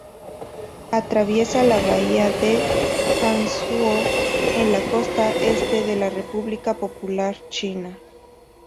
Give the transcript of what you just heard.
Atraviesa la bahía de Hangzhou en la costa este de la República Popular China.